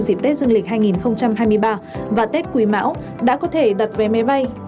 dịp tết dương lịch hai nghìn hai mươi ba và tết quý mão đã có thể đặt vé máy bay